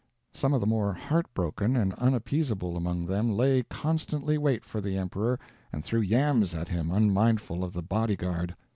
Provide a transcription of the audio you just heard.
Some of the more heartbroken and unappeasable among them lay constantly wait for the emperor and threw yams at him, unmindful of the body guard.